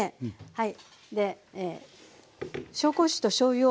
はい。